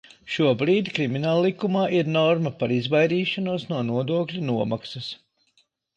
Šobrīd Krimināllikumā ir norma par izvairīšanos no nodokļu nomaksas.